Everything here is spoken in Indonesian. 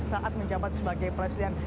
saat menjabat sebagai presiden